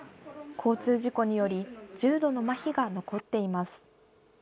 交通事故により、重度のまひが残っています。